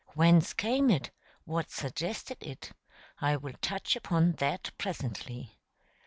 Whence came it? What suggested it? I will touch upon that presently.